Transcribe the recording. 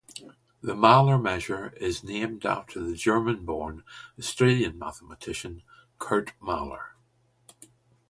The Mahler measure is named after the German-born Australian mathematician Kurt Mahler.